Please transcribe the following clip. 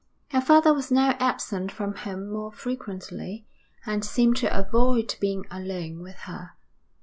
Her father was now absent from home more frequently and seemed to avoid being alone with her.